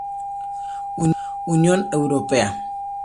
Unión Europea.